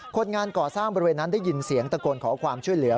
คนงานก่อสร้างบริเวณนั้นได้ยินเสียงตะโกนขอความช่วยเหลือ